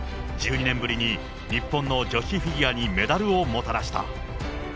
１２年ぶりに日本の女子フィギュアにメダルをもたらした。